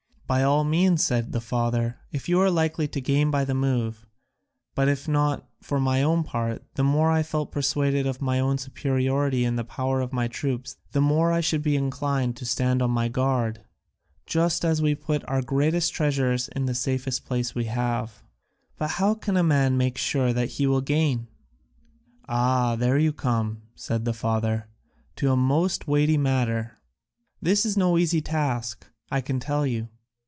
"By all means," said the father, "if you are likely to gain by the move: but if not, for my own part, the more I felt persuaded of my own superiority and the power of my troops, the more I should be inclined to stand on my guard, just as we put our greatest treasures in the safest place we have." "But how can a man make sure that he will gain?" "Ah, there you come," said the father, "to a most weighty matter. This is no easy task, I can tell you.